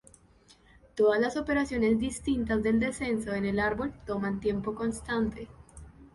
Todas las operaciones distintas del descenso en el árbol toman tiempo constante.